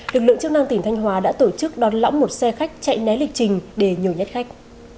lực lượng chức năng tỉnh thanh hóa đã tổ chức đón lõng một xe khách chạy né lịch trình để nhồi nhét khách